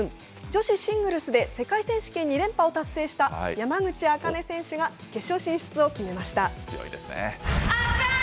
女子シングルスで、世界選手権２連覇を達成した山口茜選手が決勝進出を決めました。